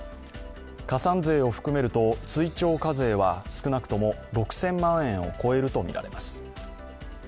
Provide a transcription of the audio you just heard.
加算税を含めると追徴課税は少なくとも６０００万円を超えるとみられます。